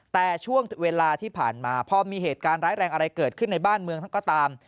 แต่ช่วงเวลาที่ผ่านมาพอมีเหตุการณ์ร้ายแรงอะไรเกิดขึ้นในบ้านเมืองท่านก็ตาม